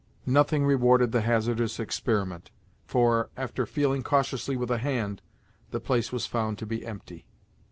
Nothing rewarded the hazardous experiment; for, after feeling cautiously with a hand, the place was found to be empty.